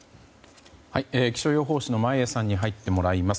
気象予報士の眞家さんに入ってもらいます。